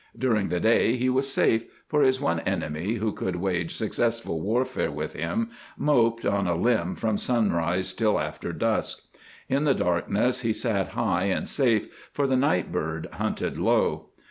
During the day he was safe, for his one enemy who could wage successful warfare with him moped on a limb from sunrise till after dusk. In the darkness he sat high and safe, for the night bird hunted low.